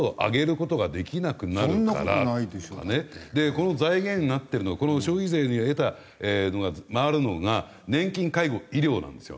この財源になってるのこの消費税で得たのが回るのが年金介護医療なんですよ。